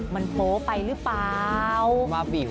มันโป๊ไปหรือเปล่า